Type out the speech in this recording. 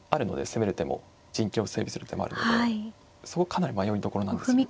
攻める手も陣形を整備する手もあるのでそこかなり迷いどころなんですよ。